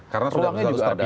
karena sudah selesai prosesnya